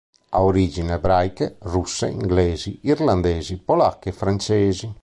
Ha origini ebraiche, russe, inglesi, irlandesi, polacche e francesi.